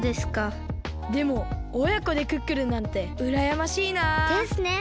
でもおやこでクックルンなんてうらやましいなあ！ですね！